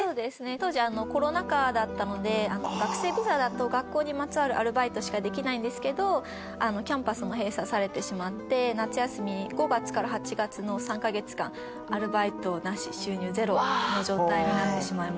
当時コロナ禍だったので学生ビザだと学校にまつわるアルバイトしかできないんですけどキャンパスも閉鎖されてしまって夏休み５月から８月の３カ月間アルバイトなし収入ゼロの状態になってしまいました。